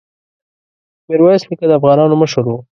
ميرويس نيکه د افغانانو مشر وو.